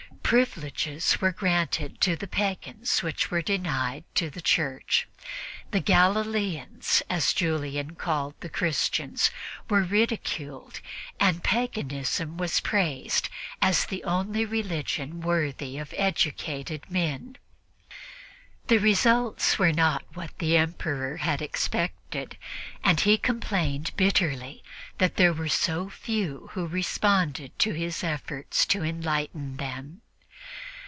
Privileges were granted to the pagans which were denied to the Church; the Galileans, as Julian called the Christians, were ridiculed, and paganism was praised as the only religion worthy of educated men. The results were not what the Emperor had expected, and he complained bitterly that there were so few who responded to his efforts to enlighten them.